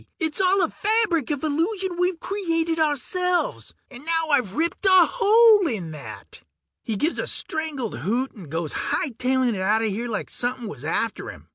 It's all a fabric of illusion we've created ourselves! And now I've ripped a hole in that!" He gives a strangled hoot and goes hightailin' outta here like somepin' was after him.